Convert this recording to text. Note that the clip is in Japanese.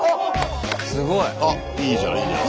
すごい。あっいいじゃんいいじゃん。